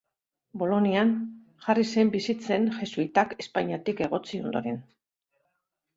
Bolonian jarri zen bizitzen jesuitak Espainiatik egotzi ondoren.